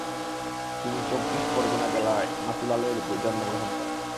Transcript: তিনি চব্বিশ পরগণা জেলায় মাতুলালয়ে জন্মগ্রহণ করেন।